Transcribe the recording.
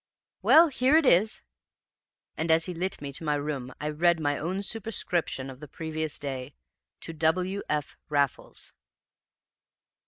"'Well, here it is.' "And, as he lit me to my room, I read my own superscription of the previous day to W. F. Raffles!